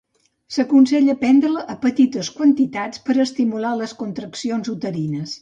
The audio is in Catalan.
S'aconsella prendre-la a petites quantitats per estimular les contraccions uterines.